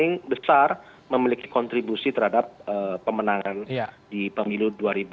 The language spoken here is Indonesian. dan yang paling besar memiliki kontribusi terhadap pemenangan di pemilu dua ribu dua puluh empat